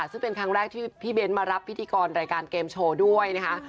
ซึ่งเป็นครั้งแรกที่พี่เบ้นมารับพิธีกรรายการเกมโชว์ด้วยนะคะ